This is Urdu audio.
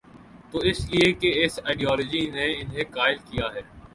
تو اس لیے کہ اس آئیڈیالوجی نے انہیں قائل کیا ہے۔